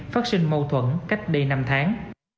phát sinh mâu thuẫn cách đây năm tháng